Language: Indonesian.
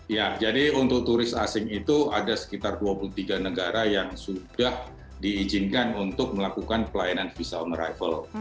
ya jadi untuk turis asing itu ada sekitar dua puluh tiga negara yang sudah diizinkan untuk melakukan pelayanan visa on arrival